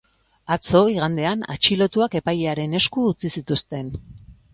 Atzo, igandean, atxilotuak epailearen esku utzi zituzten.